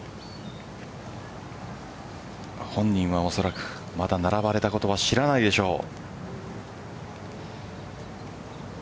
本人は、おそらくまだ並ばれたことは知らないでしょう。